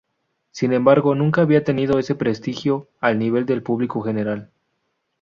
Sin embargo, nunca habían tenido ese prestigio al nivel del público general.